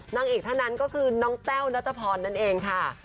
นางเอกเท่านั้นก็คือน้องแต้วนัทพรนั่นเองค่ะ